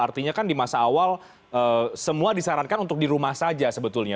artinya kan di masa awal semua disarankan untuk di rumah saja sebetulnya